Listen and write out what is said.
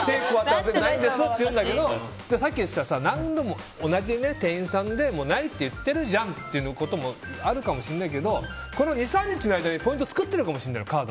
さっきの人は何度も同じ店員さんでないって言っているじゃんってこともあるかもしれないけど２３日の間にポイント作ってるかもしれない。